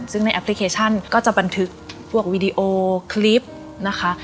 ซึ่งในแอปพลิเคชันก็จะบันทึกพวกวีดีโอคลิปนะคะ